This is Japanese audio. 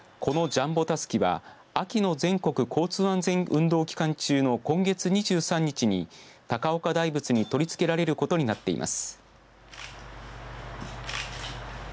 このジャンボタスキは秋の全国交通安全運動期間中の今月２３日に、高岡大仏に取り付けられることになっています。